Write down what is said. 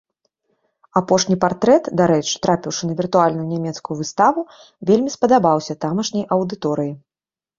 Апошні партрэт, дарэчы, трапіўшы на віртуальную нямецкую выставу, вельмі спадабаўся тамашняй аўдыторыі.